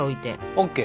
ＯＫ。